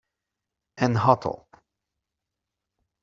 An hotel